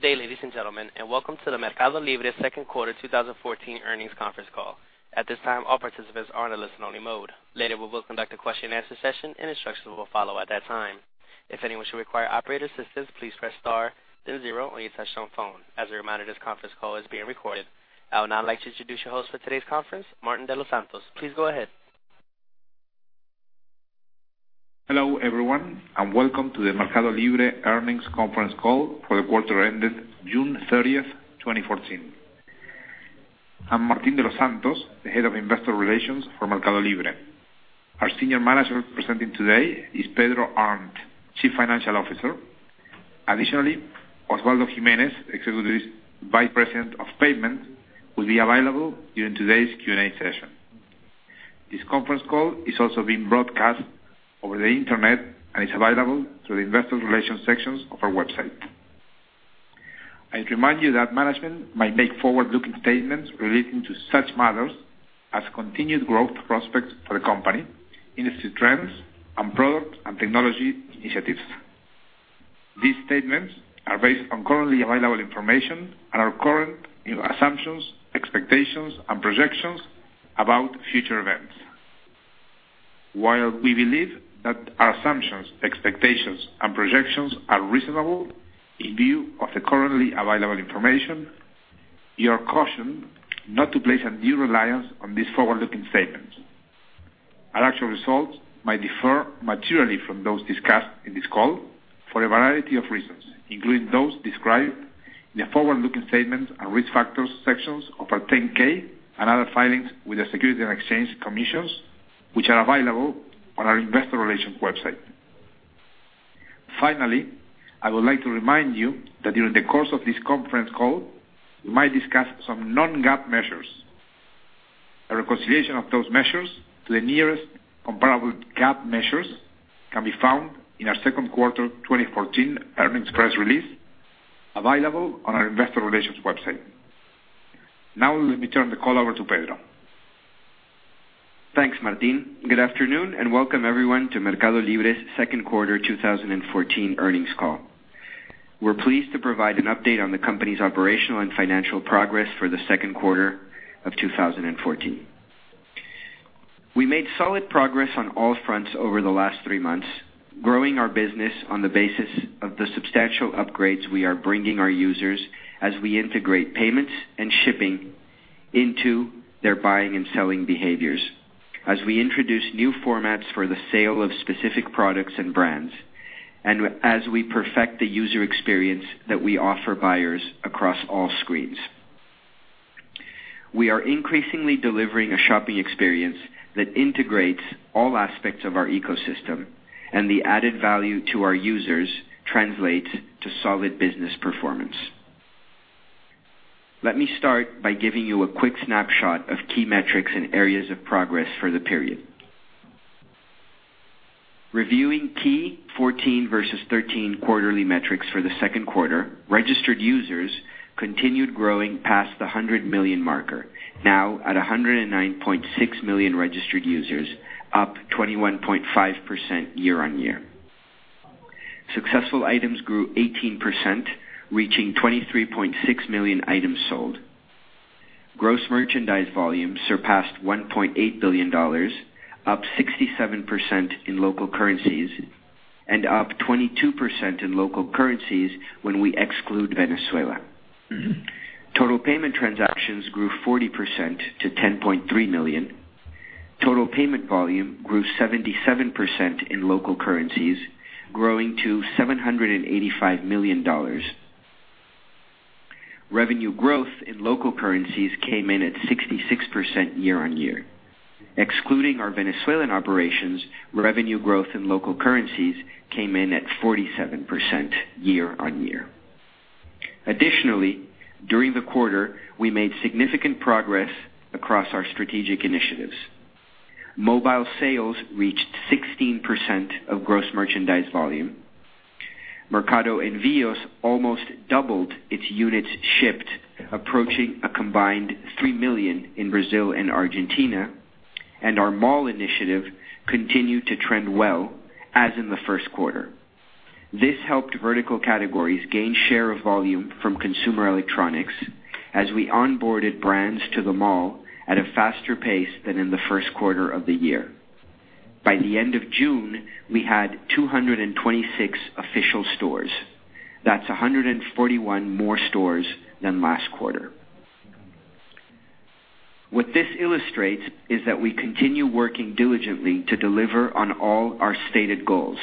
Good day, ladies and gentlemen, and welcome to the MercadoLibre second quarter 2014 earnings conference call. At this time, all participants are in a listen only mode. Later, we will conduct a question and answer session and instructions will follow at that time. If anyone should require operator assistance, please press star then zero on your touch-tone phone. As a reminder, this conference call is being recorded. I would now like to introduce your host for today's conference, Martín de los Santos. Please go ahead. Hello, everyone, and welcome to the MercadoLibre earnings conference call for the quarter ended June 30th, 2014. I'm Martín de los Santos, the head of Investor Relations for MercadoLibre. Our senior manager presenting today is Pedro Arnt, Chief Financial Officer. Additionally, Osvaldo Gimenez, Executive Vice President of Payment, will be available during today's Q&A session. This conference call is also being broadcast over the internet and is available through the investor relations sections of our website. I remind you that management might make forward-looking statements relating to such matters as continued growth prospects for the company, industry trends, and product and technology initiatives. These statements are based on currently available information and our current assumptions, expectations, and projections about future events. While we believe that our assumptions, expectations, and projections are reasonable in view of the currently available information, you are cautioned not to place undue reliance on these forward-looking statements. Our actual results might differ materially from those discussed in this call for a variety of reasons, including those described in the forward-looking statements and risk factors sections of our 10-K and other filings with the Securities and Exchange Commission, which are available on our investor relations website. Finally, I would like to remind you that during the course of this conference call, we might discuss some non-GAAP measures. A reconciliation of those measures to the nearest comparable GAAP measures can be found in our second quarter 2014 earnings press release, available on our investor relations website. Let me turn the call over to Pedro. Thanks, Martín. Good afternoon and welcome everyone to MercadoLibre's second quarter 2014 earnings call. We're pleased to provide an update on the company's operational and financial progress for the second quarter of 2014. We made solid progress on all fronts over the last three months, growing our business on the basis of the substantial upgrades we are bringing our users as we integrate payments and shipping into their buying and selling behaviors, as we introduce new formats for the sale of specific products and brands, and as we perfect the user experience that we offer buyers across all screens. We are increasingly delivering a shopping experience that integrates all aspects of our ecosystem, and the added value to our users translates to solid business performance. Let me start by giving you a quick snapshot of key metrics and areas of progress for the period. Reviewing T14 versus 13 quarterly metrics for the second quarter, registered users continued growing past the 100 million marker, now at 109.6 million registered users, up 21.5% year-on-year. Successful items grew 18%, reaching 23.6 million items sold. Gross merchandise volume surpassed $1.8 billion, up 67% in local currencies and up 22% in local currencies when we exclude Venezuela. Total payment transactions grew 40% to 10.3 million. Total payment volume grew 77% in local currencies, growing to $785 million. Revenue growth in local currencies came in at 66% year-on-year. Excluding our Venezuelan operations, revenue growth in local currencies came in at 47% year-on-year. Additionally, during the quarter, we made significant progress across our strategic initiatives. Mobile sales reached 16% of gross merchandise volume. Mercado Envíos almost doubled its units shipped, approaching a combined 3 million in Brazil and Argentina. Our mall initiative continued to trend well as in the first quarter. This helped vertical categories gain share of volume from consumer electronics as we onboarded brands to the mall at a faster pace than in the first quarter of the year. By the end of June, we had 226 official stores. That's 141 more stores than last quarter. What this illustrates is that we continue working diligently to deliver on all our stated goals,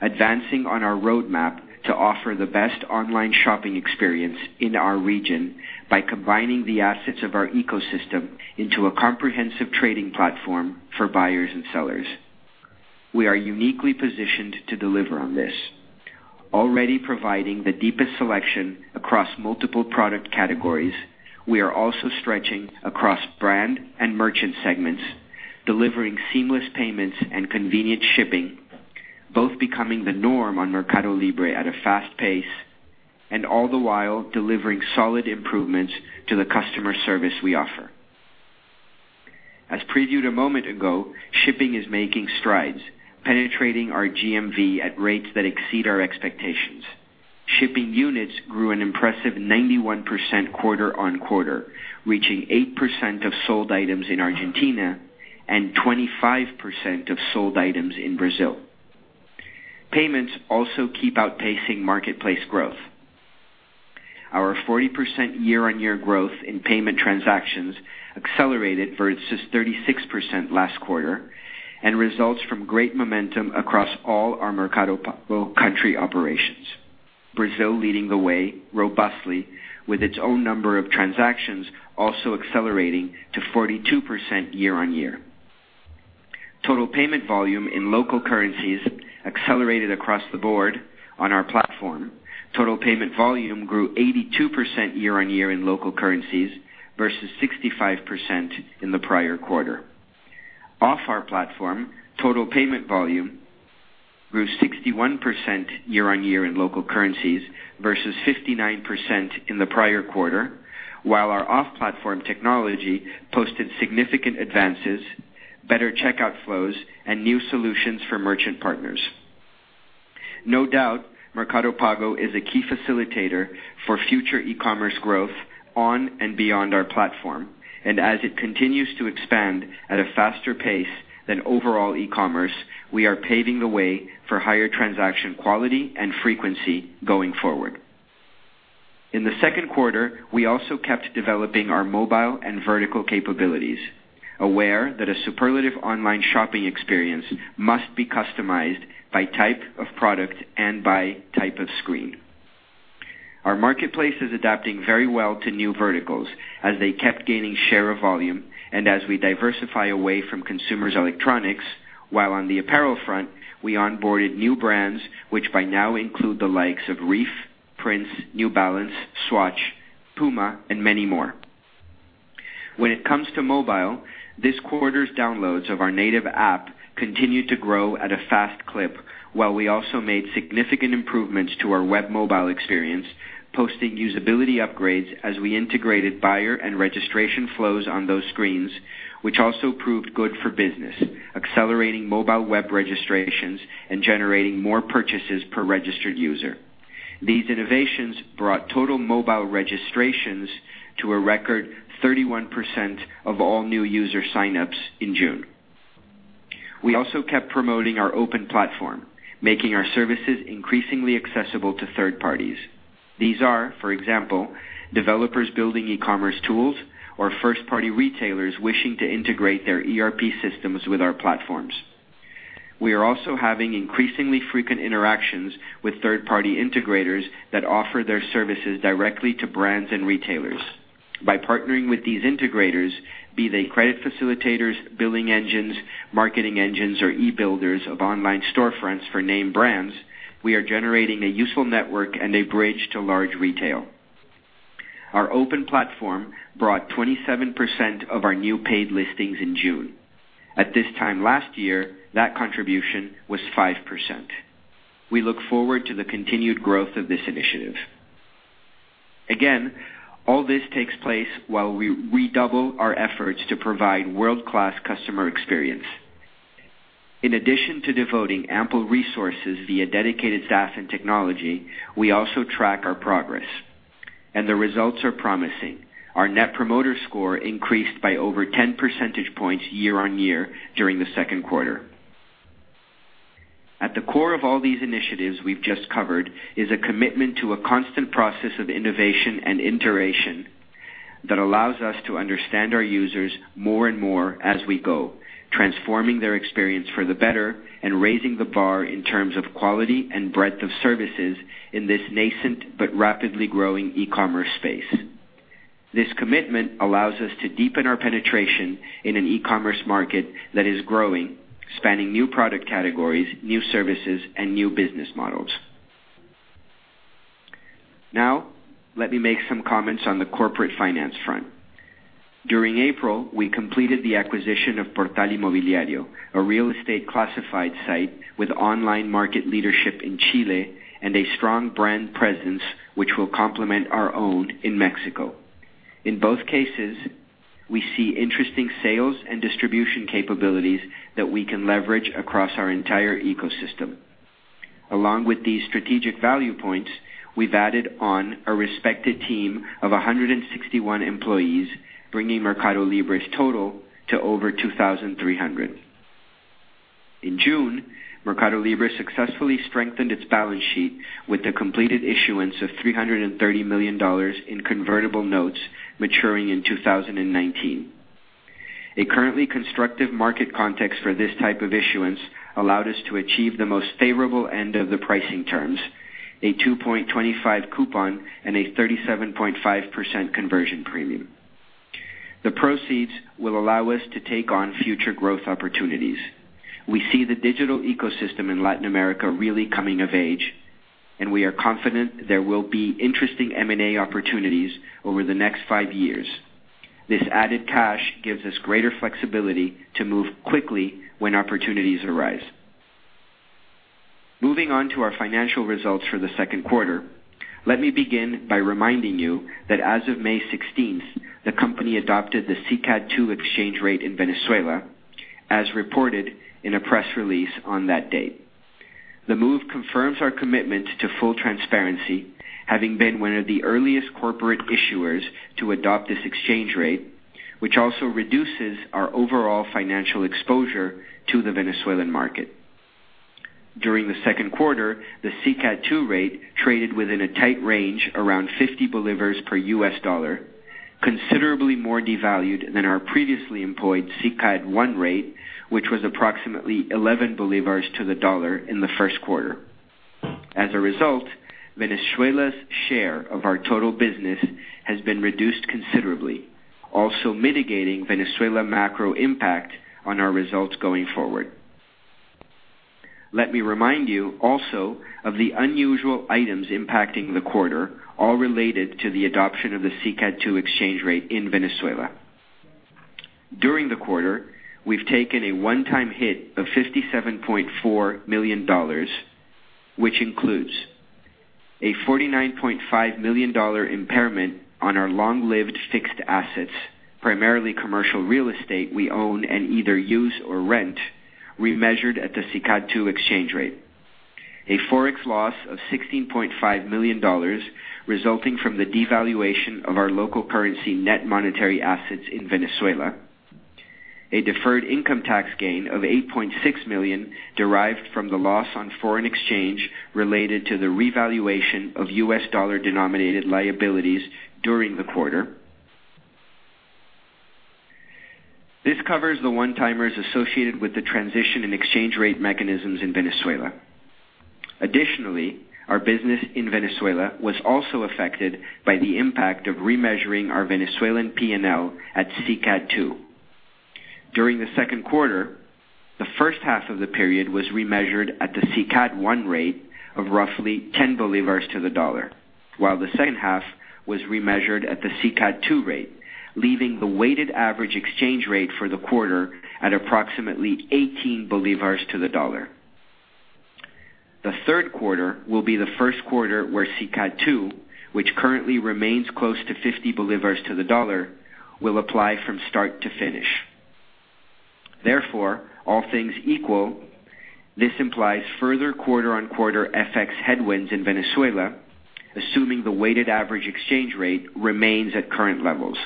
advancing on our roadmap to offer the best online shopping experience in our region by combining the assets of our ecosystem into a comprehensive trading platform for buyers and sellers. We are uniquely positioned to deliver on this. Already providing the deepest selection across multiple product categories, we are also stretching across brand and merchant segments, delivering seamless payments and convenient shipping, both becoming the norm on MercadoLibre at a fast pace. All the while delivering solid improvements to the customer service we offer. As previewed a moment ago, shipping is making strides, penetrating our GMV at rates that exceed our expectations. Shipping units grew an impressive 91% quarter-on-quarter, reaching 8% of sold items in Argentina and 25% of sold items in Brazil. Payments also keep outpacing marketplace growth. Our 40% year-on-year growth in payment transactions accelerated versus 36% last quarter. Results from great momentum across all our Mercado Pago country operations. Brazil leading the way robustly with its own number of transactions also accelerating to 42% year-on-year. Total payment volume in local currencies accelerated across the board on our platform. Total payment volume grew 82% year-on-year in local currencies versus 65% in the prior quarter. Off our platform, total payment volume grew 61% year-on-year in local currencies versus 59% in the prior quarter. While our off-platform technology posted significant advances, better checkout flows, and new solutions for merchant partners. No doubt, Mercado Pago is a key facilitator for future e-commerce growth on and beyond our platform. As it continues to expand at a faster pace than overall e-commerce, we are paving the way for higher transaction quality and frequency going forward. In the second quarter, we also kept developing our mobile and vertical capabilities, aware that a superlative online shopping experience must be customized by type of product and by type of screen. Our marketplace is adapting very well to new verticals as they kept gaining share of volume and as we diversify away from consumers' electronics, while on the apparel front, we onboarded new brands, which by now include the likes of Reef, Prince, New Balance, Swatch, PUMA, and many more. When it comes to mobile, this quarter's downloads of our native app continued to grow at a fast clip, while we also made significant improvements to our web mobile experience, posting usability upgrades as we integrated buyer and registration flows on those screens, which also proved good for business, accelerating mobile web registrations and generating more purchases per registered user. These innovations brought total mobile registrations to a record 31% of all new user sign-ups in June. We also kept promoting our open platform, making our services increasingly accessible to third parties. These are, for example, developers building e-commerce tools or first-party retailers wishing to integrate their ERP systems with our platforms. We are also having increasingly frequent interactions with third-party integrators that offer their services directly to brands and retailers. By partnering with these integrators, be they credit facilitators, billing engines, marketing engines, or e-builders of online storefronts for name brands, we are generating a useful network and a bridge to large retail. Our open platform brought 27% of our new paid listings in June. At this time last year, that contribution was 5%. We look forward to the continued growth of this initiative. All this takes place while we redouble our efforts to provide world-class customer experience. In addition to devoting ample resources via dedicated staff and technology, we also track our progress, and the results are promising. Our Net Promoter Score increased by over 10 percentage points year-on-year during the second quarter. At the core of all these initiatives we've just covered is a commitment to a constant process of innovation and iteration that allows us to understand our users more and more as we go. Transforming their experience for the better and raising the bar in terms of quality and breadth of services in this nascent, but rapidly growing e-commerce space. This commitment allows us to deepen our penetration in an e-commerce market that is growing, spanning new product categories, new services, and new business models. Let me make some comments on the corporate finance front. During April, we completed the acquisition of Portal Inmobiliario, a real estate classified site with online market leadership in Chile and a strong brand presence, which will complement our own in Mexico. In both cases, we see interesting sales and distribution capabilities that we can leverage across our entire ecosystem. Along with these strategic value points, we've added on a respected team of 161 employees, bringing MercadoLibre's total to over 2,300. In June, MercadoLibre successfully strengthened its balance sheet with the completed issuance of $330 million in convertible notes maturing in 2019. A currently constructive market context for this type of issuance allowed us to achieve the most favorable end of the pricing terms, a 2.25 coupon and a 37.5% conversion premium. The proceeds will allow us to take on future growth opportunities. We see the digital ecosystem in Latin America really coming of age, and we are confident there will be interesting M&A opportunities over the next five years. This added cash gives us greater flexibility to move quickly when opportunities arise. Moving on to our financial results for the second quarter. Let me begin by reminding you that as of May 16th, the company adopted the SICAD 2 exchange rate in Venezuela, as reported in a press release on that date. The move confirms our commitment to full transparency, having been one of the earliest corporate issuers to adopt this exchange rate, which also reduces our overall financial exposure to the Venezuelan market. During the second quarter, the SICAD 2 rate traded within a tight range around 50 bolivars per USD, considerably more devalued than our previously employed SICAD 1 rate, which was approximately 11 bolivars to the USD in the first quarter. As a result, Venezuela's share of our total business has been reduced considerably, also mitigating Venezuela macro impact on our results going forward. Let me remind you also of the unusual items impacting the quarter, all related to the adoption of the SICAD 2 exchange rate in Venezuela. During the quarter, we've taken a one-time hit of $57.4 million, which includes a $49.5 million impairment on our long-lived fixed assets, primarily commercial real estate we own and either use or rent. We measured at the SICAD 2 exchange rate. A Forex loss of $16.5 million resulting from the devaluation of our local currency net monetary assets in Venezuela. A deferred income tax gain of $8.6 million derived from the loss on foreign exchange related to the revaluation of USD-denominated liabilities during the quarter. This covers the one-timers associated with the transition and exchange rate mechanisms in Venezuela. Additionally, our business in Venezuela was also affected by the impact of remeasuring our Venezuelan P&L at SICAD 2. During the second quarter, the first half of the period was remeasured at the SICAD 1 rate of roughly 10 bolivars to the USD, while the second half was remeasured at the SICAD 2 rate, leaving the weighted average exchange rate for the quarter at approximately 18 bolivars to the USD. All things equal, this implies further quarter-on-quarter FX headwinds in Venezuela, assuming the weighted average exchange rate remains at current levels.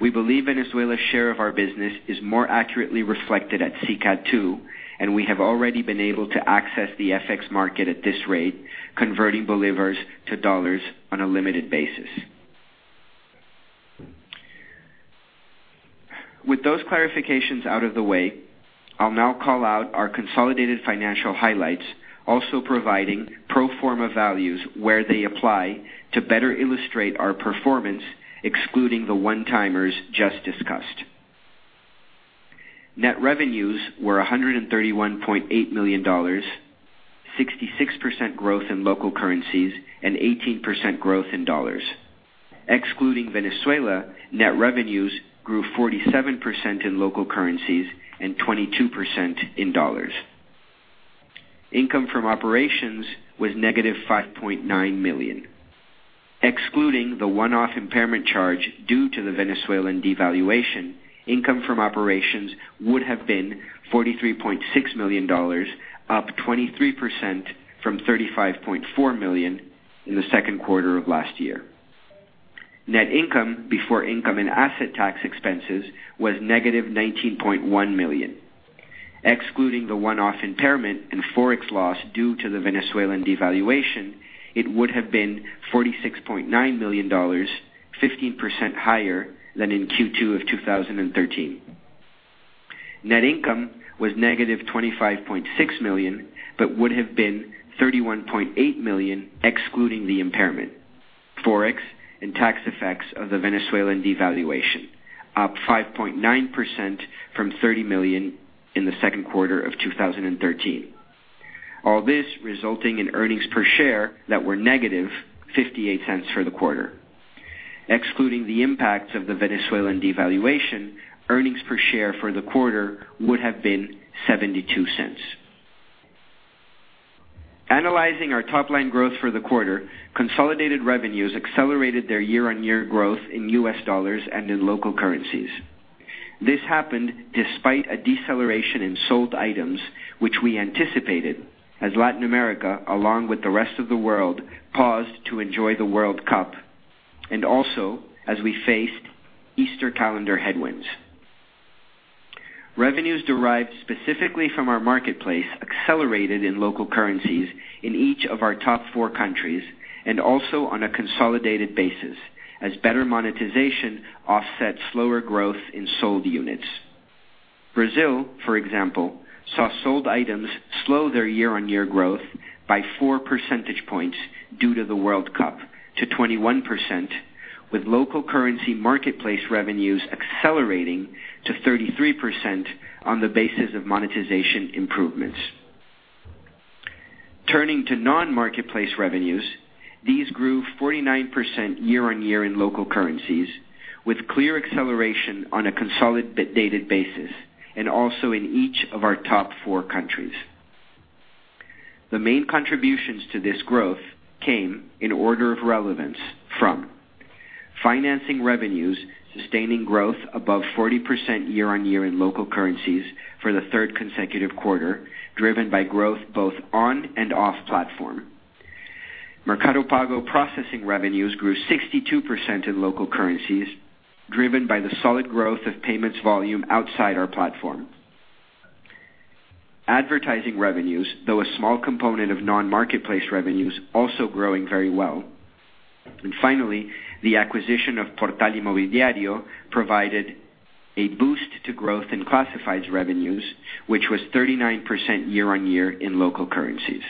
We believe Venezuela's share of our business is more accurately reflected at SICAD 2, and we have already been able to access the FX market at this rate, converting bolivars to USD on a limited basis. With those clarifications out of the way, I'll now call out our consolidated financial highlights, also providing pro forma values where they apply to better illustrate our performance, excluding the one-timers just discussed. Net revenues were $131.8 million, 66% growth in local currencies and 18% growth in USD. Excluding Venezuela, net revenues grew 47% in local currencies and 22% in USD. Income from operations was negative $5.9 million. Excluding the one-off impairment charge due to the Venezuelan devaluation, income from operations would have been $43.6 million, up 23% from $35.4 million in the second quarter of last year. Net income before income and asset tax expenses was negative $19.1 million. Excluding the one-off impairment and Forex loss due to the Venezuelan devaluation, it would have been $46.9 million, 15% higher than in Q2 of 2013. Net income was -$25.6 million, but would have been $31.8 million excluding the impairment, Forex and tax effects of the Venezuelan devaluation, up 5.9% from $30 million in the second quarter of 2013. All this resulting in EPS that were -$0.58 for the quarter. Excluding the impacts of the Venezuelan devaluation, EPS for the quarter would have been $0.72. Analyzing our top-line growth for the quarter, consolidated revenues accelerated their year-on-year growth in U.S. dollars and in local currencies. This happened despite a deceleration in sold items, which we anticipated as Latin America, along with the rest of the world, paused to enjoy the World Cup, and also as we faced Easter calendar headwinds. Revenues derived specifically from our marketplace accelerated in local currencies in each of our top four countries, and also on a consolidated basis as better monetization offset slower growth in sold units. Brazil, for example, saw sold items slow their year-on-year growth by 4 percentage points due to the World Cup to 21%, with local currency marketplace revenues accelerating to 33% on the basis of monetization improvements. Turning to non-marketplace revenues, these grew 49% year-on-year in local currencies, with clear acceleration on a consolidated basis and also in each of our top four countries. The main contributions to this growth came, in order of relevance, from financing revenues sustaining growth above 40% year-on-year in local currencies for the third consecutive quarter, driven by growth both on and off platform. Mercado Pago processing revenues grew 62% in local currencies, driven by the solid growth of payments volume outside our platform. Advertising revenues, though a small component of non-marketplace revenues, also growing very well. Finally, the acquisition of Portal Inmobiliario provided a boost to growth in classifieds revenues, which was 39% year-on-year in local currencies.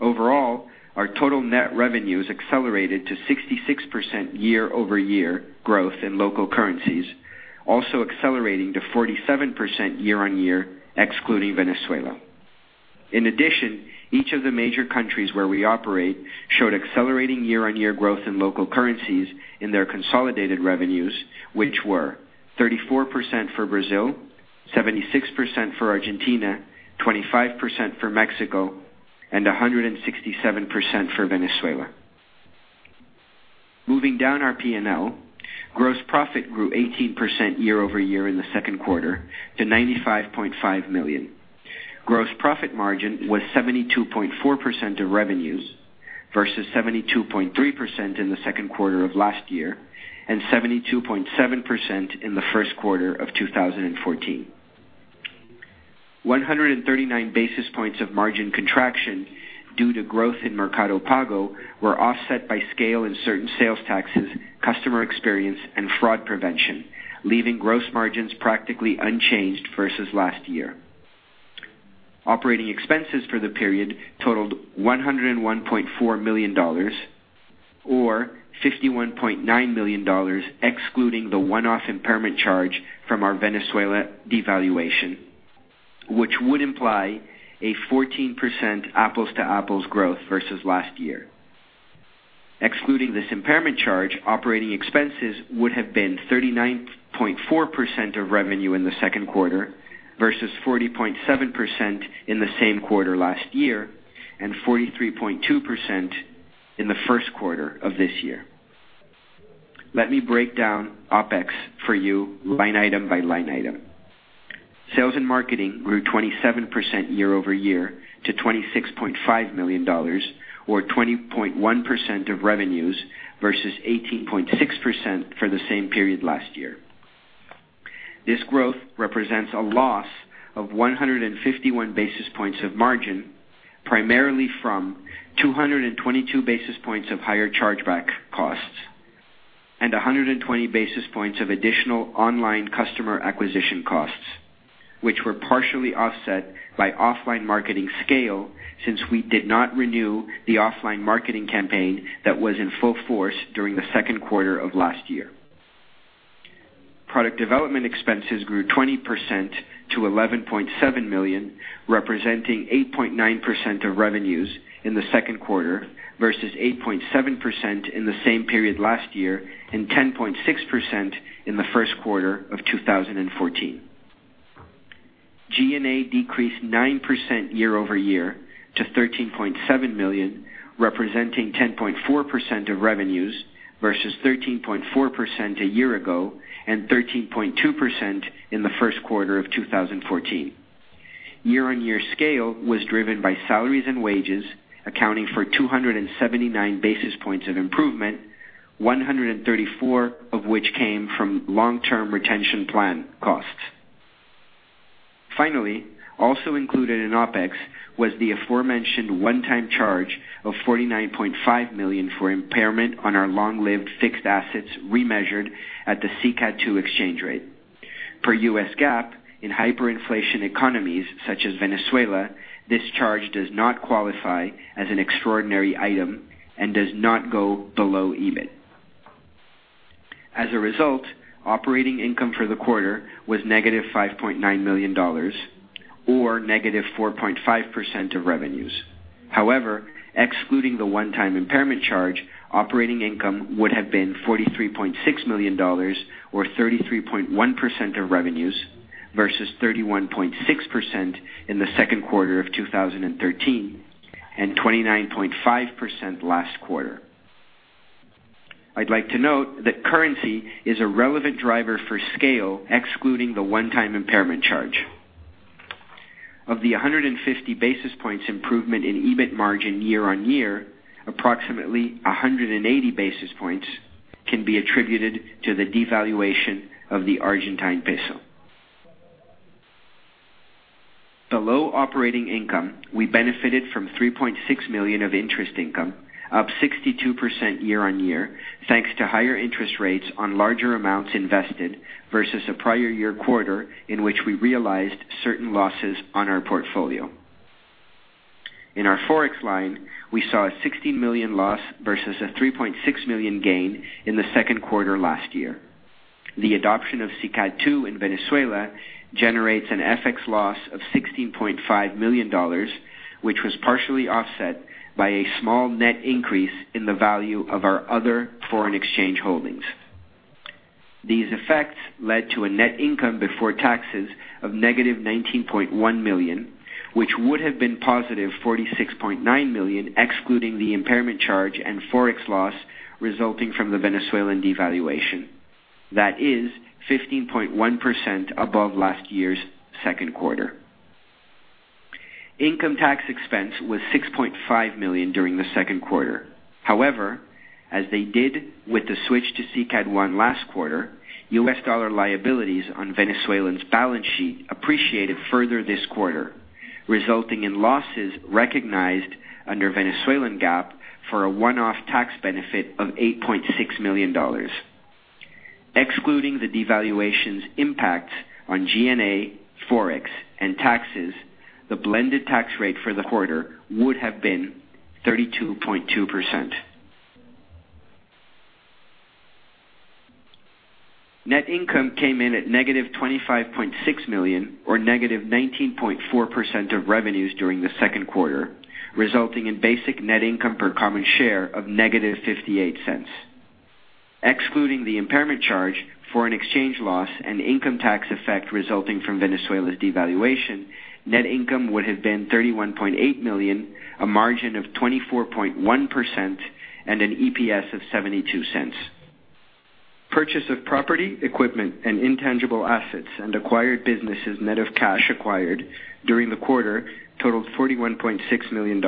Overall, our total net revenues accelerated to 66% year-over-year growth in local currencies, also accelerating to 47% year-on-year, excluding Venezuela. In addition, each of the major countries where we operate showed accelerating year-on-year growth in local currencies in their consolidated revenues, which were 34% for Brazil, 76% for Argentina, 25% for Mexico and 167% for Venezuela. Moving down our P&L, gross profit grew 18% year-over-year in the second quarter to $95.5 million. Gross profit margin was 72.4% of revenues versus 72.3% in the second quarter of last year and 72.7% in the first quarter of 2014. 139 basis points of margin contraction due to growth in Mercado Pago were offset by scale in certain sales taxes, customer experience, and fraud prevention, leaving gross margins practically unchanged versus last year. Operating expenses for the period totaled $101.4 million, or $51.9 million, excluding the one-off impairment charge from our Venezuela devaluation, which would imply a 14% apples-to-apples growth versus last year. Excluding this impairment charge, operating expenses would have been 39.4% of revenue in the second quarter versus 40.7% in the same quarter last year, and 43.2% in the first quarter of this year. Let me break down OpEx for you line item by line item. Sales and marketing grew 27% year-over-year to $26.5 million, or 20.1% of revenues versus 18.6% for the same period last year. This growth represents a loss of 151 basis points of margin, primarily from 222 basis points of higher chargeback costs and 120 basis points of additional online customer acquisition costs, which were partially offset by offline marketing scale since we did not renew the offline marketing campaign that was in full force during the second quarter of last year. Product development expenses grew 20% to $11.7 million, representing 8.9% of revenues in the second quarter versus 8.7% in the same period last year and 10.6% in the first quarter of 2014. G&A decreased 9% year-over-year to $13.7 million, representing 10.4% of revenues versus 13.4% a year ago and 13.2% in the first quarter of 2014. Year-on-year scale was driven by salaries and wages, accounting for 279 basis points of improvement, 134 of which came from long-term retention plan costs. Also included in OpEx was the aforementioned one-time charge of $49.5 million for impairment on our long-lived fixed assets, remeasured at the SICAD 2 exchange rate. Per US GAAP, in hyperinflation economies such as Venezuela, this charge does not qualify as an extraordinary item and does not go below EBIT. As a result, operating income for the quarter was negative $5.9 million, or negative 4.5% of revenues. Excluding the one-time impairment charge, operating income would have been $43.6 million or 33.1% of revenues versus 31.6% in the second quarter of 2013 and 29.5% last quarter. I'd like to note that currency is a relevant driver for scale, excluding the one-time impairment charge. Of the 150 basis points improvement in EBIT margin year-on-year, approximately 180 basis points can be attributed to the devaluation of the Argentine peso. Below operating income, we benefited from $3.6 million of interest income, up 62% year-on-year, thanks to higher interest rates on larger amounts invested versus the prior year quarter in which we realized certain losses on our portfolio. In our Forex line, we saw a $16 million loss versus a $3.6 million gain in the second quarter last year. The adoption of SICAD II in Venezuela generates an FX loss of $16.5 million, which was partially offset by a small net increase in the value of our other foreign exchange holdings. These effects led to a net income before taxes of negative $19.1 million, which would have been positive $46.9 million, excluding the impairment charge and ForEx loss resulting from the Venezuelan devaluation. That is 15.1% above last year's second quarter. Income tax expense was $6.5 million during the second quarter. As they did with the switch to SICAD I last quarter, US dollar liabilities on Venezuela's balance sheet appreciated further this quarter, resulting in losses recognized under Venezuelan GAAP for a one-off tax benefit of $8.6 million. Excluding the devaluations impacts on G&A, ForEx, and taxes, the blended tax rate for the quarter would have been 32.2%. Net income came in at negative $25.6 million, or negative 19.4% of revenues during the second quarter, resulting in basic net income per common share of negative $0.58. Excluding the impairment charge, foreign exchange loss, and income tax effect resulting from Venezuela's devaluation, net income would have been $31.8 million, a margin of 24.1%, and an EPS of $0.72. Purchase of property, equipment, and intangible assets, and acquired businesses net of cash acquired during the quarter totaled $41.6 million.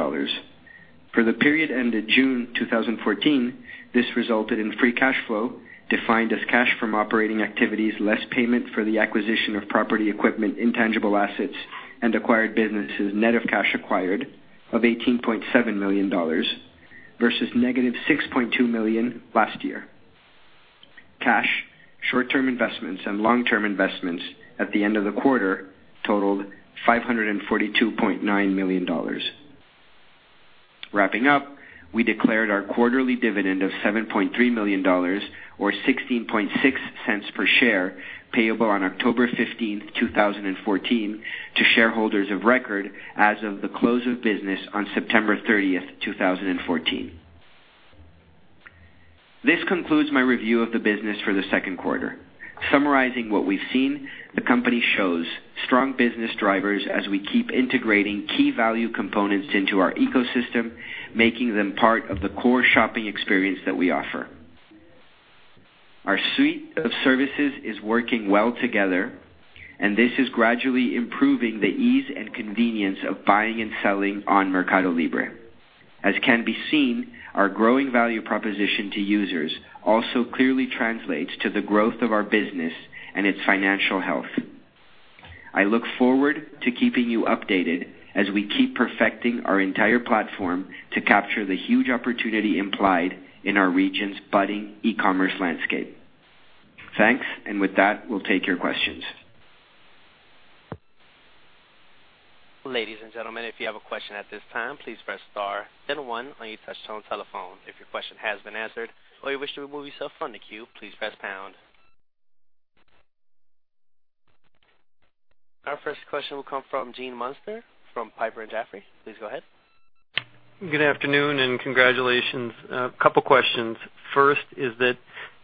For the period ended June 2014, this resulted in free cash flow, defined as cash from operating activities, less payment for the acquisition of property, equipment, intangible assets, and acquired businesses, net of cash acquired of $18.7 million versus negative $6.2 million last year. Cash, short-term investments, and long-term investments at the end of the quarter totaled $542.9 million. Wrapping up, we declared our quarterly dividend of $7.3 million, or $0.166 per share, payable on October 15th, 2014, to shareholders of record as of the close of business on September 30th, 2014. This concludes my review of the business for the second quarter. Summarizing what we've seen, the company shows strong business drivers as we keep integrating key value components into our ecosystem, making them part of the core shopping experience that we offer. Our suite of services is working well together, this is gradually improving the ease and convenience of buying and selling on MercadoLibre. As can be seen, our growing value proposition to users also clearly translates to the growth of our business and its financial health. I look forward to keeping you updated as we keep perfecting our entire platform to capture the huge opportunity implied in our region's budding e-commerce landscape. Thanks. With that, we'll take your questions. Ladies and gentlemen, if you have a question at this time, please press star then one on your touchtone telephone. If your question has been answered or you wish to remove yourself from the queue, please press pound. Our first question will come from Gene Munster from Piper Jaffray. Please go ahead. Good afternoon, congratulations. A couple questions. First is that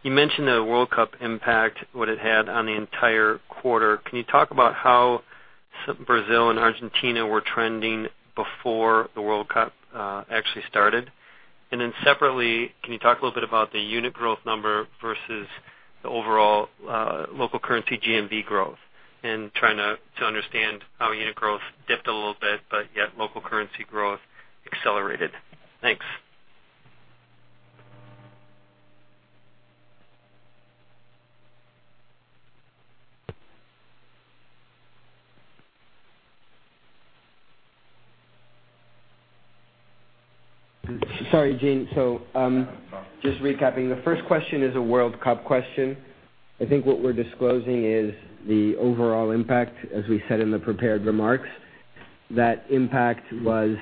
you mentioned the World Cup impact, what it had on the entire quarter. Can you talk about how Brazil and Argentina were trending before the World Cup actually started? Separately, can you talk a little bit about the unit growth number versus the overall local currency GMV growth? Trying to understand how unit growth dipped a little bit, but yet local currency growth accelerated. Thanks. Sorry, Gene. Just recapping, the first question is a World Cup question. I think what we're disclosing is the overall impact, as we said in the prepared remarks. That impact was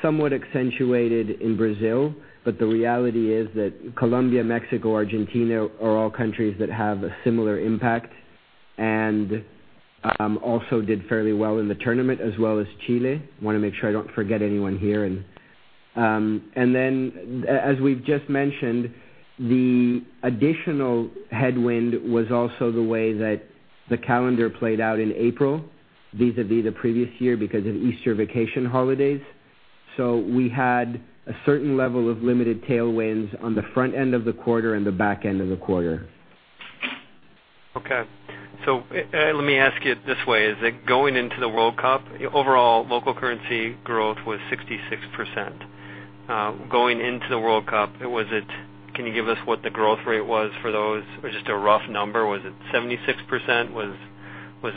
somewhat accentuated in Brazil. The reality is that Colombia, Mexico, Argentina are all countries that have a similar impact, and also did fairly well in the tournament, as well as Chile. I want to make sure I don't forget anyone here. As we've just mentioned, the additional headwind was also the way that the calendar played out in April, vis-à-vis the previous year because of Easter vacation holidays. We had a certain level of limited tailwinds on the front end of the quarter and the back end of the quarter. Okay. Let me ask you it this way. Is it going into the World Cup? Overall local currency growth was 66%. Going into the World Cup, can you give us what the growth rate was for those, or just a rough number? Was it 76%? Was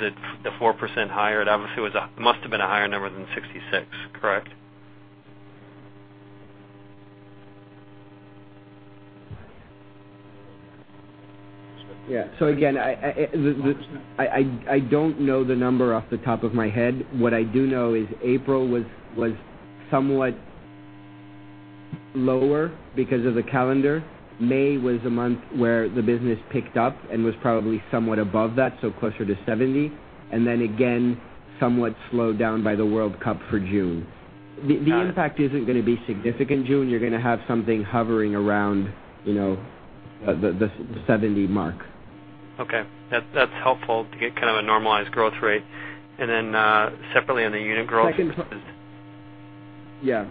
it 4% higher? Obviously, it must have been a higher number than 66, correct? Yeah. Again, I don't know the number off the top of my head. What I do know is April was somewhat lower because of the calendar. May was a month where the business picked up and was probably somewhat above that, closer to 70, again, somewhat slowed down by the World Cup for June. Got it. The impact isn't going to be significant, Gene. You're going to have something hovering around the 70 mark. Okay. That's helpful to get kind of a normalized growth rate. Separately on the unit growth- Yeah.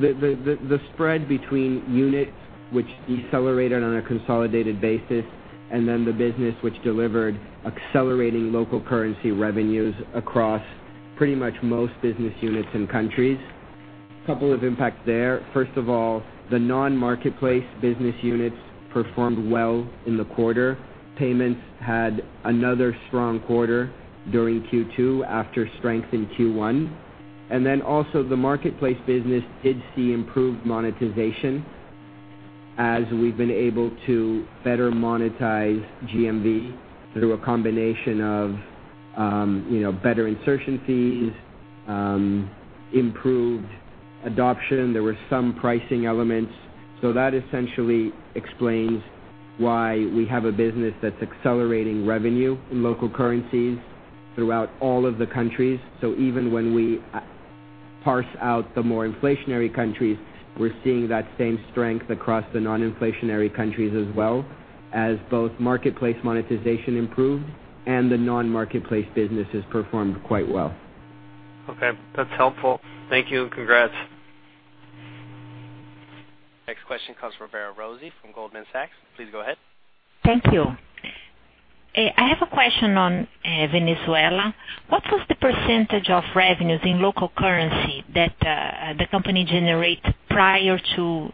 The spread between units, which decelerated on a consolidated basis, and then the business which delivered accelerating local currency revenues across pretty much most business units and countries. Couple of impacts there. First of all, the non-marketplace business units performed well in the quarter. Payments had another strong quarter during Q2 after strength in Q1. Also the marketplace business did see improved monetization as we've been able to better monetize GMV through a combination of better insertion fees, improved adoption. There were some pricing elements. That essentially explains why we have a business that's accelerating revenue in local currencies throughout all of the countries. Even when we parse out the more inflationary countries, we're seeing that same strength across the non-inflationary countries as well, as both marketplace monetization improved and the non-marketplace businesses performed quite well. Okay. That's helpful. Thank you, and congrats. Next question comes from Vera Rossi from Goldman Sachs. Please go ahead. Thank you. I have a question on Venezuela. What was the % of revenues in local currency that the company generated prior to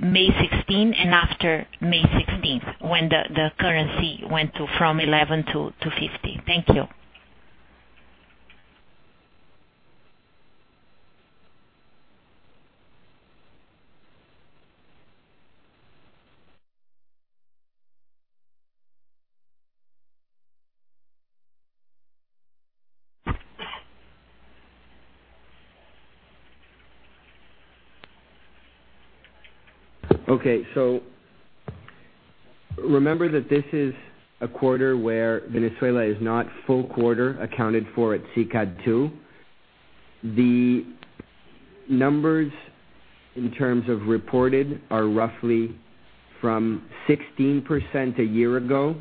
May 16 and after May 16th, when the currency went from 11 to 50. Thank you. Okay, remember that this is a quarter where Venezuela is not full quarter accounted for at SICAD 2. The numbers in terms of reported are roughly from 16% a year ago.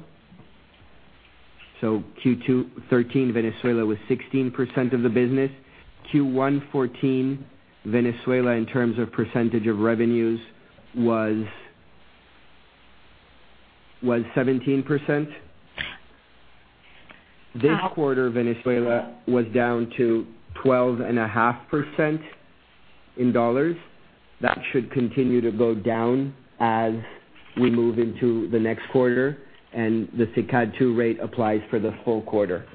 Q2 2013, Venezuela was 16% of the business. Q1 2014, Venezuela in terms of % of revenues was 17%. This quarter, Venezuela was down to 12.5% in $. That should continue to go down as we move into the next quarter and the SICAD 2 rate applies for the full quarter.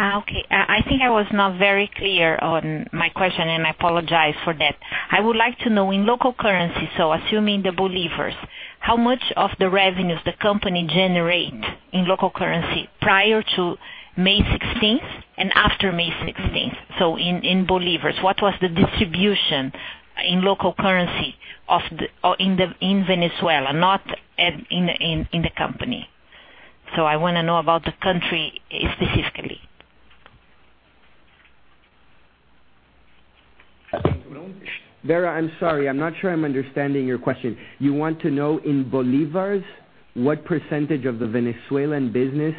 Okay. I think I was not very clear on my question, and I apologize for that. I would like to know in local currency, assuming the bolívars, how much of the revenues the company generate in local currency prior to May 16th and after May 16th? In bolívars, what was the distribution in local currency in Venezuela, not in the company? I want to know about the country specifically. Vera, I'm sorry. I'm not sure I'm understanding your question. You want to know in bolívars what percentage of the Venezuelan business?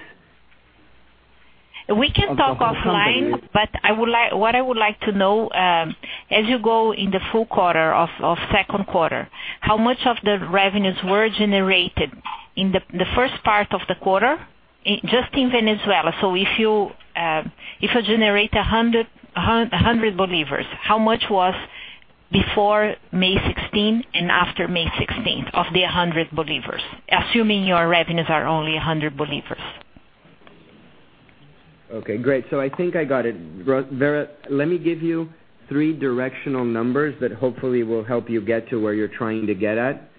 We can talk offline, what I would like to know, as you go in the full quarter of second quarter, how much of the revenues were generated in the first part of the quarter just in Venezuela? If you generate VEF 100, how much was before May 16 and after May 16th of the VEF 100, assuming your revenues are only VEF 100? Okay, great. I think I got it. Vera, let me give you three directional numbers that hopefully will help you get to where you're trying to get at.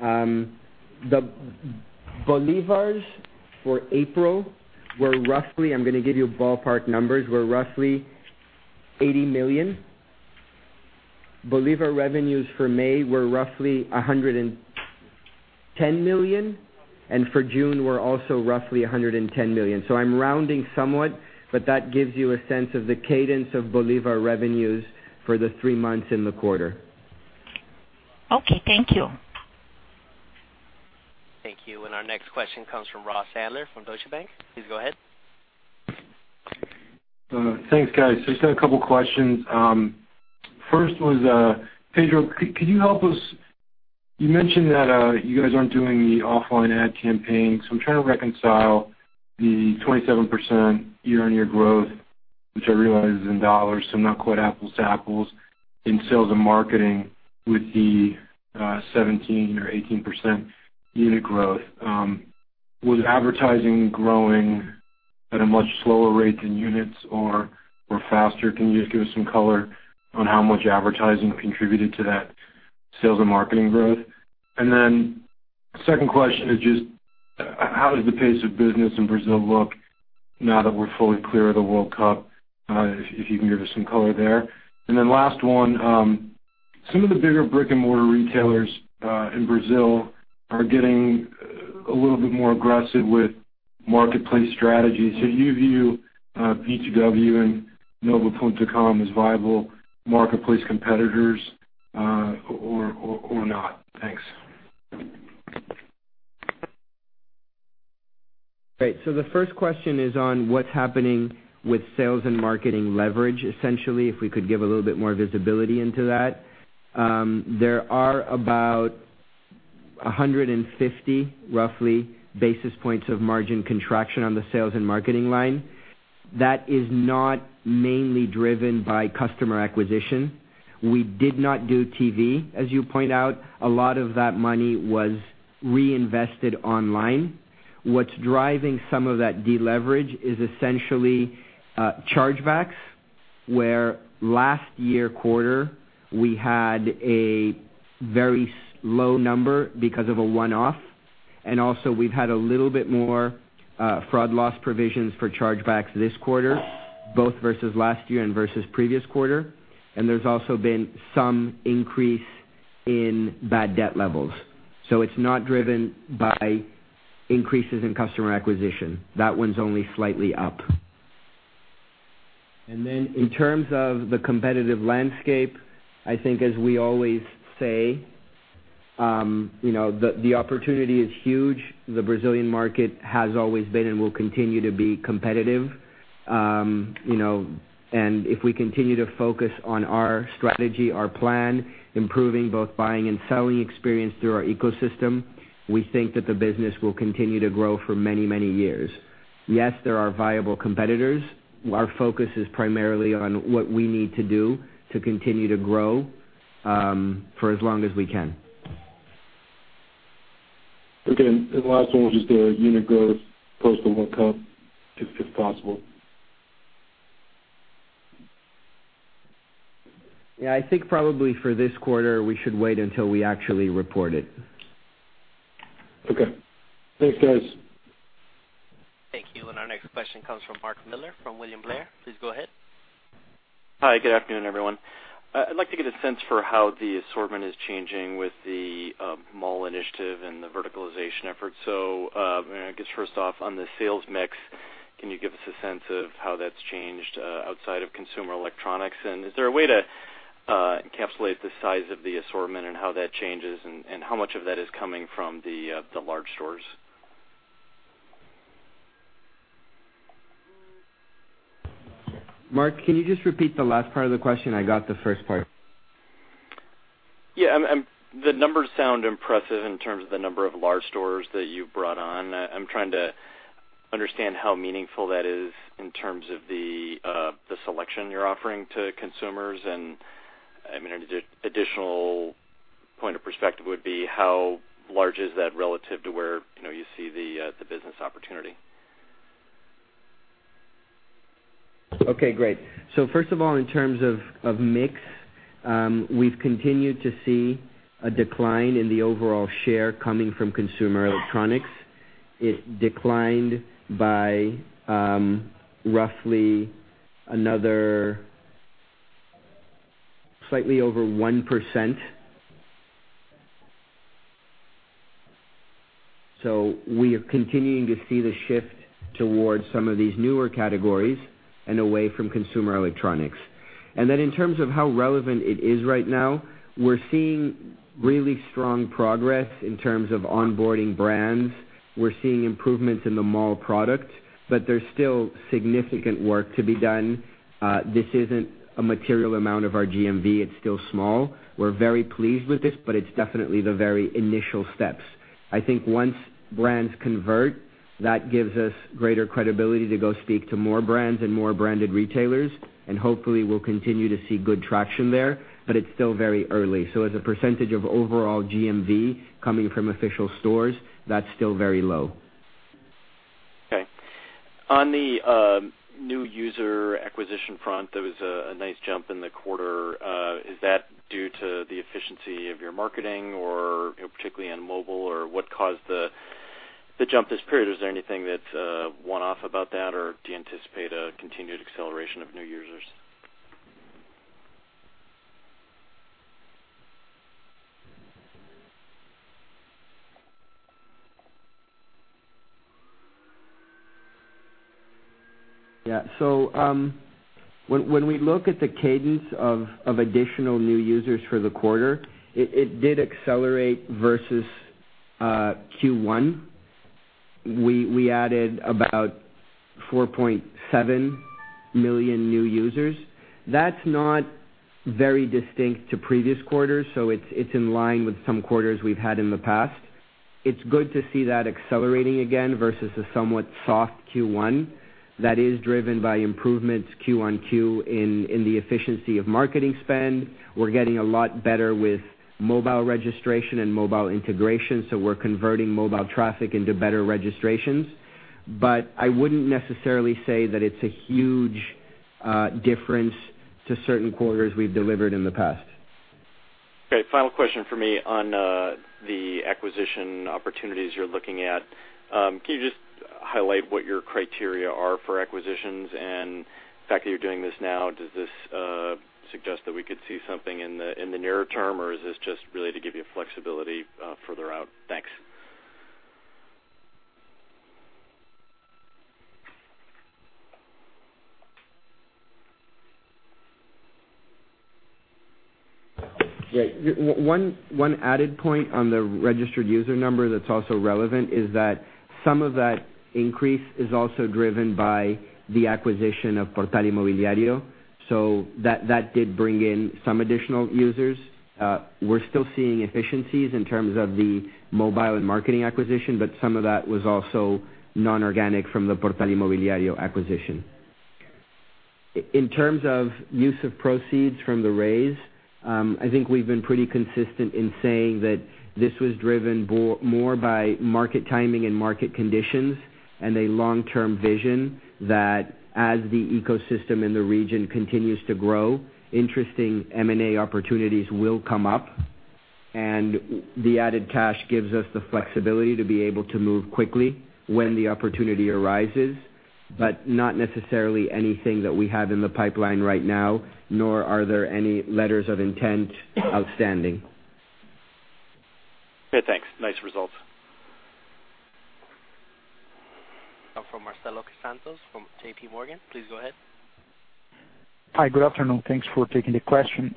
The bolívars for April were roughly, I'm going to give you ballpark numbers, were roughly VEF 80 million. Bolívar revenues for May were roughly VEF 110 million, and for June were also roughly VEF 110 million. I'm rounding somewhat, but that gives you a sense of the cadence of bolívar revenues for the three months in the quarter. Okay, thank you. Thank you. Our next question comes from Ross Adler from Deutsche Bank. Please go ahead. Thanks, guys. Just got a couple of questions. First was, Pedro, could you help us? You mentioned that you guys aren't doing the offline ad campaigns. I'm trying to reconcile the 27% year-on-year growth, which I realize is in dollars, not quite apples to apples in sales and marketing with the 17% or 18% unit growth. Was advertising growing at a much slower rate than units or were faster? Can you just give us some color on how much advertising contributed to that sales and marketing growth? Second question is just how does the pace of business in Brazil look now that we're fully clear of the World Cup? If you can give us some color there. Last one, some of the bigger brick-and-mortar retailers in Brazil are getting a little bit more aggressive with marketplace strategy. Do you view B2W and Nova Pontocom as viable marketplace competitors or not? Thanks. Great. The first question is on what's happening with sales and marketing leverage. Essentially, if we could give a little bit more visibility into that. There are about 150, roughly, basis points of margin contraction on the sales and marketing line. That is not mainly driven by customer acquisition. We did not do TV, as you point out. A lot of that money was reinvested online. What's driving some of that deleverage is essentially chargebacks, where last year quarter we had a very low number because of a one-off, and also we've had a little bit more fraud loss provisions for chargebacks this quarter, both versus last year and versus the previous quarter. There's also been some increase in bad debt levels. It's not driven by increases in customer acquisition. That one's only slightly up. In terms of the competitive landscape, I think as we always say, the opportunity is huge. The Brazilian market has always been and will continue to be competitive. If we continue to focus on our strategy, our plan, improving both buying and selling experience through our ecosystem, we think that the business will continue to grow for many, many years. Yes, there are viable competitors. Our focus is primarily on what we need to do to continue to grow for as long as we can. Okay. The last one was just the unit growth post the World Cup, if possible. Yeah, I think probably for this quarter, we should wait until we actually report it. Okay. Thanks, guys. Thank you. Our next question comes from Mark Miller from William Blair. Please go ahead. Hi. Good afternoon, everyone. I'd like to get a sense for how the assortment is changing with the mall initiative and the verticalization effort. I guess first off, on the sales mix, can you give us a sense of how that's changed outside of consumer electronics? Is there a way to encapsulate the size of the assortment and how that changes and how much of that is coming from the large stores? Mark, can you just repeat the last part of the question? I got the first part. Yeah. The numbers sound impressive in terms of the number of large stores that you've brought on. I'm trying to understand how meaningful that is in terms of the selection you're offering to consumers. An additional point of perspective would be how large is that relative to where you see the business opportunity. Okay, great. First of all, in terms of mix, we've continued to see a decline in the overall share coming from consumer electronics. It declined by roughly another slightly over 1%. We are continuing to see the shift towards some of these newer categories and away from consumer electronics. In terms of how relevant it is right now, we're seeing really strong progress in terms of onboarding brands. We're seeing improvements in the mall product, but there's still significant work to be done. This isn't a material amount of our GMV. It's still small. We're very pleased with this, but it's definitely the very initial steps. I think once brands convert, that gives us greater credibility to go speak to more brands and more branded retailers, and hopefully we'll continue to see good traction there, but it's still very early. As a percentage of overall GMV coming from official stores, that's still very low. Okay. On the new user acquisition front, there was a nice jump in the quarter. Is that due to the efficiency of your marketing or particularly on mobile, or what caused the jump this period? Is there anything that's one-off about that, or do you anticipate a continued acceleration of new users? Yeah. When we look at the cadence of additional new users for the quarter, it did accelerate versus Q1. We added about 4.7 million new users. That's not very distinct to previous quarters, it's in line with some quarters we've had in the past. It's good to see that accelerating again versus a somewhat soft Q1 that is driven by improvements Q1Q in the efficiency of marketing spend. We're getting a lot better with mobile registration and mobile integration, we're converting mobile traffic into better registrations. I wouldn't necessarily say that it's a huge difference to certain quarters we've delivered in the past. Okay. Final question from me on the acquisition opportunities you're looking at. Can you just highlight what your criteria are for acquisitions? The fact that you're doing this now, does this suggest that we could see something in the nearer term, or is this just really to give you flexibility further out? Thanks. Yeah. One added point on the registered user number that's also relevant is that some of that increase is also driven by the acquisition of Portal Inmobiliario. That did bring in some additional users. We're still seeing efficiencies in terms of the mobile and marketing acquisition, but some of that was also non-organic from the Portal Inmobiliario acquisition. In terms of use of proceeds from the raise, I think we've been pretty consistent in saying that this was driven more by market timing and market conditions, and a long-term vision that as the ecosystem in the region continues to grow, interesting M&A opportunities will come up. The added cash gives us the flexibility to be able to move quickly when the opportunity arises. Not necessarily anything that we have in the pipeline right now, nor are there any letters of intent outstanding. Okay, thanks. Nice results. From Marcelo Santos, from JP Morgan. Please go ahead. Hi. Good afternoon. Thanks for taking the question.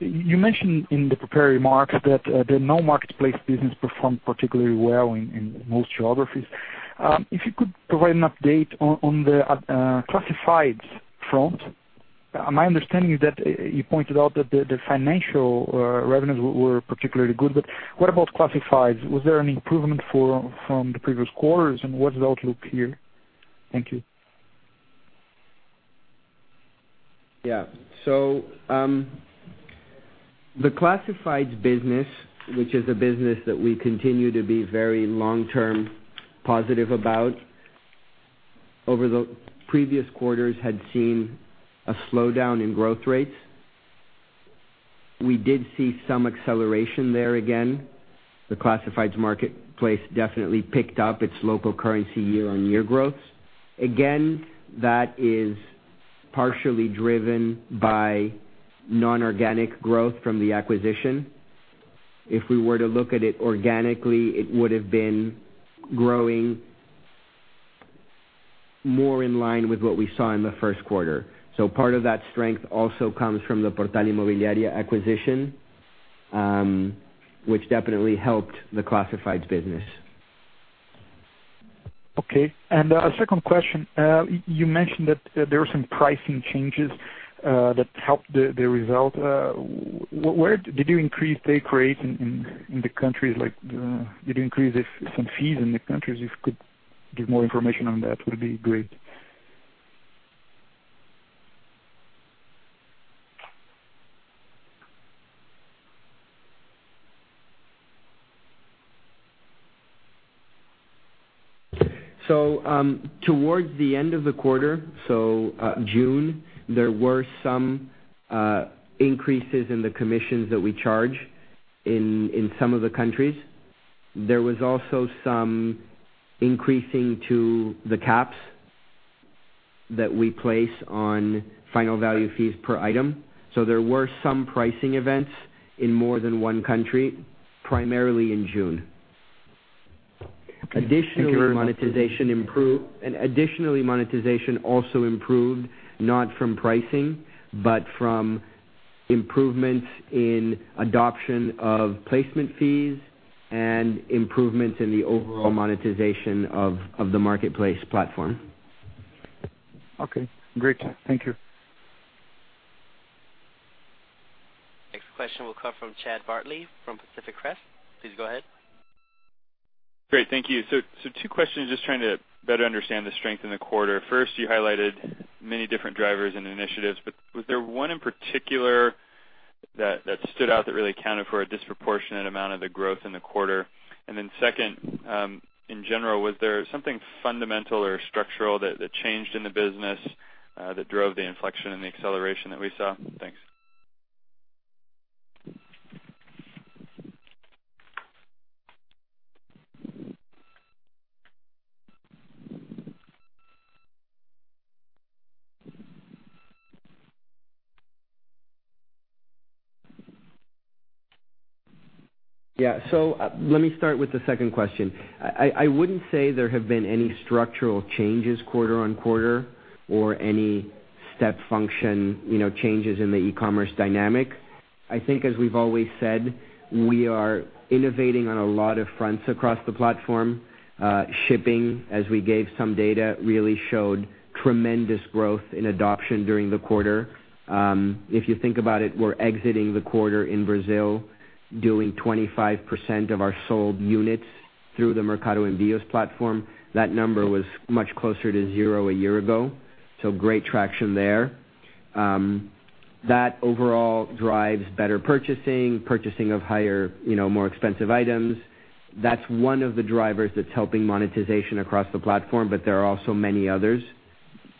You mentioned in the prepared remarks that no marketplace business performed particularly well in most geographies. If you could provide an update on the classifieds front. My understanding is that you pointed out that the financial revenues were particularly good, but what about classifieds? Was there any improvement from the previous quarters, and what's the outlook here? Thank you. Yeah. The classifieds business, which is a business that we continue to be very long-term positive about, over the previous quarters had seen a slowdown in growth rates. We did see some acceleration there again. The classifieds marketplace definitely picked up its local currency year-on-year growth. Again, that is partially driven by non-organic growth from the acquisition. If we were to look at it organically, it would've been growing more in line with what we saw in the first quarter. Part of that strength also comes from the Portal Inmobiliario acquisition, which definitely helped the classifieds business. Okay. A second question. You mentioned that there were some pricing changes that helped the result. Did you increase take rate in the countries, like did you increase some fees in the countries? If you could give more information on that, would be great. Towards the end of the quarter, so June, there were some increases in the commissions that we charge in some of the countries. There was also some increasing to the caps that we place on final value fees per item. There were some pricing events in more than one country, primarily in June. Okay. Thank you very much. Additionally, monetization also improved, not from pricing, but from improvements in adoption of placement fees and improvements in the overall monetization of the marketplace platform. Okay, great. Thank you. Next question will come from Chad Bartley from Pacific Crest. Please go ahead. Great. Thank you. Two questions, just trying to better understand the strength in the quarter. First, you highlighted many different drivers and initiatives, but was there one in particular that stood out that really accounted for a disproportionate amount of the growth in the quarter? Second, in general, was there something fundamental or structural that changed in the business that drove the inflection and the acceleration that we saw? Thanks. Let me start with the second question. I wouldn't say there have been any structural changes quarter-on-quarter or any step function changes in the e-commerce dynamic. I think as we've always said, we are innovating on a lot of fronts across the platform. Shipping, as we gave some data, really showed tremendous growth in adoption during the quarter. If you think about it, we're exiting the quarter in Brazil doing 25% of our sold units through the Mercado Envíos platform. That number was much closer to zero a year ago. Great traction there. That overall drives better purchasing of higher, more expensive items. That's one of the drivers that's helping monetization across the platform, but there are also many others.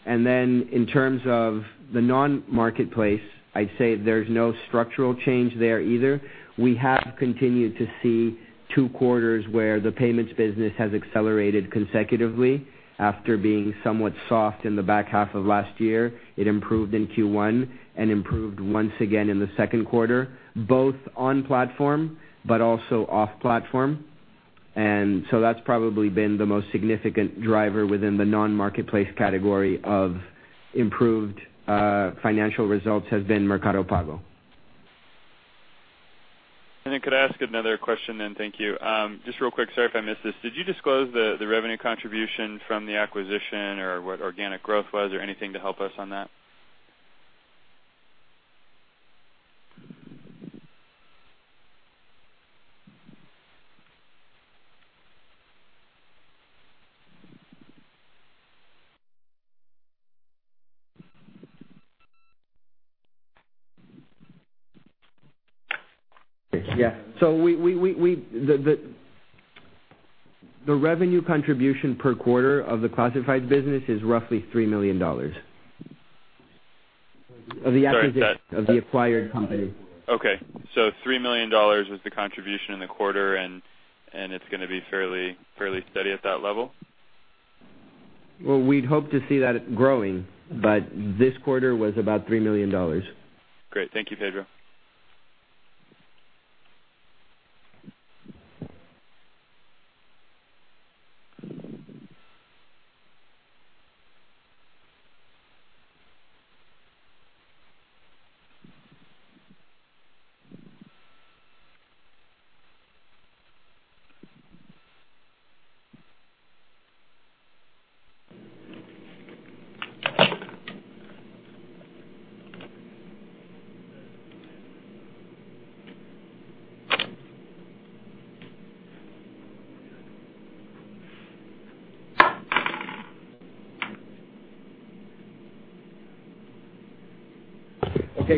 In terms of the non-marketplace, I'd say there's no structural change there either. We have continued to see two quarters where the payments business has accelerated consecutively after being somewhat soft in the back half of last year. It improved in Q1 and improved once again in the second quarter, both on-platform, but also off-platform. That's probably been the most significant driver within the non-marketplace category of improved financial results, has been Mercado Pago. Could I ask another question then? Thank you. Just real quick, sorry if I missed this. Did you disclose the revenue contribution from the acquisition, or what organic growth was, or anything to help us on that? Yeah. The revenue contribution per quarter of the classified business is roughly $3 million. Sorry. Of the acquisition. Of the acquired company. Okay. $3 million is the contribution in the quarter, and it's going to be fairly steady at that level? Well, we'd hope to see that growing, but this quarter was about $3 million. Great. Thank you, Pedro.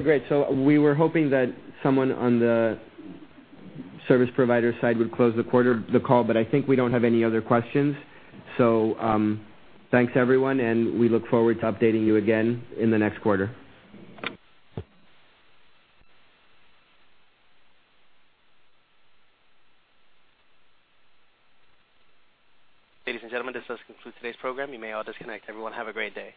Okay, great. We were hoping that someone on the service provider side would close the call, but I think we don't have any other questions. Thanks, everyone, and we look forward to updating you again in the next quarter. Ladies and gentlemen, this does conclude today's program. You may all disconnect. Everyone, have a great day.